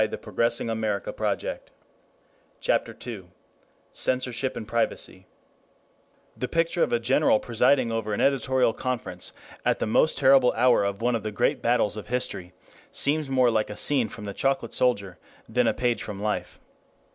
SPEED, WORDS, AND CLEARNESS CHAPTER II CENSORSHIP AND PRIVACY 1 The picture of a general presiding over an editorial conference at the most terrible hour of one of the great battles of history seems more like a scene from The Chocolate Soldier than a page from life.